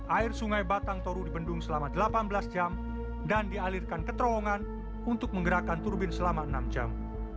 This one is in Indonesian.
air sungai batang toru dibendung selama delapan belas jam dan dialirkan ke terowongan untuk menggerakkan turbin selama enam jam